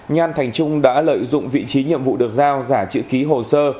nhan thành trung đã lợi dụng vị trí nhiệm vụ được giao giả chữ ký hồ sơ